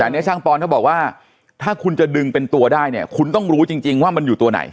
แต่อันนี้ช่างปอนเขาบอกว่าถ้าคุณจะดึงเป็นตัวได้เนี่ยคุณต้องรู้จริงว่ามันอยู่ตัวไหน